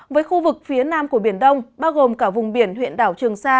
với khu vực phía nam của biển đông bao gồm cả vùng biển huyện đảo trường sa